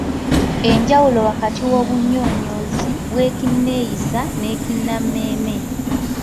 Enjawulo wakati w’obunnyonnyozi bw’Ekinneeyisa n’Ekinnammeeme.